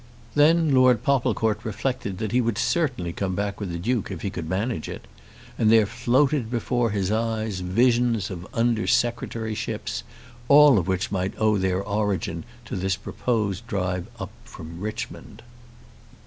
Then Lord Popplecourt reflected that he would certainly come back with the Duke if he could so manage it, and there floated before his eyes visions of under secretaryships, all of which might owe their origin to this proposed drive up from Richmond.